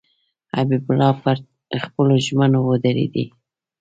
حبیب الله پر خپلو ژمنو ودرېدی.